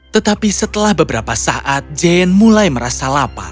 tetapi setelah beberapa saat jane mulai merasa lapar